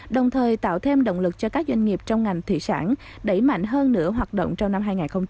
đồng thời tạo thêm động lực cho các doanh nghiệp trong ngành thủy sản đẩy mạnh hơn nửa hoạt động trong năm hai nghìn hai mươi